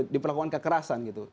diperlakukan kekerasan gitu